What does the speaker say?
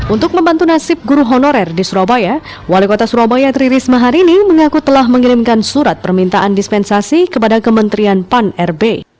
untuk membantu nasib guru honorer di surabaya wali kota surabaya tri risma hari ini mengaku telah mengirimkan surat permintaan dispensasi kepada kementerian pan rb